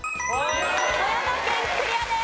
富山県クリアです。